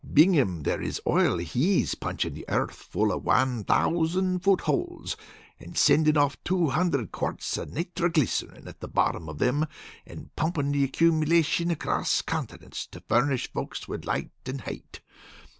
Bingham there is oil. He's punchin' the earth full of wan thousand foot holes, and sendin' off two hundred quarts of nitroglycerine at the bottom of them, and pumpin' the accumulation across continents to furnish folks light and hate.